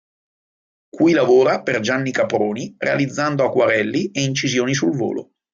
Qui lavora per Gianni Caproni realizzando acquarelli e incisioni sul volo.